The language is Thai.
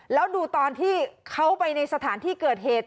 แล้วดูตอนที่เขาไปในสถานที่เกิดเหตุ